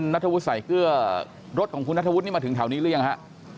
นาถาวุฒิใส่เกลือรถของคุณนาถาวุฑิมินาเอียดมาถึงถาวนี้หรือยังฮะ